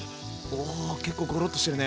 うわ結構ゴロッとしてるね。